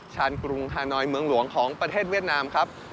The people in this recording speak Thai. ชานกรุงฮานอยเมืองหลวงของประเทศเวียดนามครับ